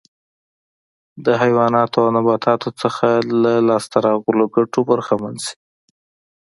د حیواناتو او نباتاتو څخه له لاسته راغلو ګټو برخمن شي.